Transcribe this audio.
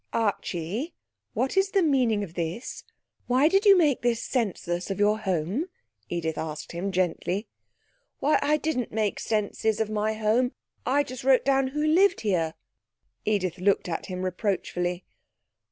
'Archie, what is the meaning of this? Why did you make this census of your home?' Edith asked him gently. 'Why, I didn't make senses of my home; I just wrote down who lived here.' Edith looked at him reproachfully.